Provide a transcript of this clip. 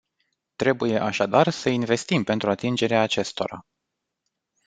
Trebuie așadar să investim pentru atingerea acestora.